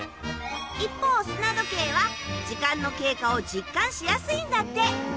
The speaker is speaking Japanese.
一方砂時計は時間の経過を実感しやすいんだって。